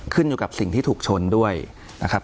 ขึ้นอยู่กับสิ่งที่ถูกชนด้วยนะครับ